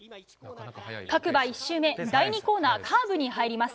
各馬１周目第２コーナーカーブに入ります。